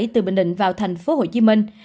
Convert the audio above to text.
từ bình định vào thành phố hồ chí minh